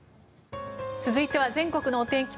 続いては全国のお天気